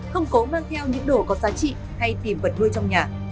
không cố mang theo những đồ có giá trị hay tìm vật nuôi trong nhà